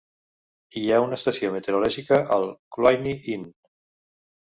Hi ha una estació meteorològica al Cluanie Inn.